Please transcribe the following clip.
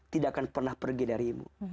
tidak akan pernah pergi darimu